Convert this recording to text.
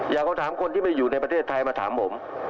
คำถามคนที่ไม่อยู่ในประเทศไทยมาถามผม